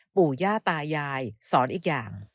ปู่ย่าตายายสอนอีกอย่าง